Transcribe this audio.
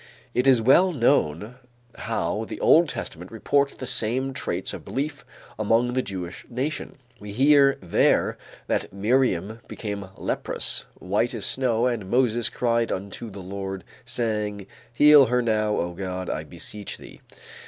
It is well known how the Old Testament reports the same traits of belief among the Jewish nation. We hear there that Miriam became leprous, white as snow, and Moses cried unto the Lord, saying: "Heal her now, oh God, I beseech thee."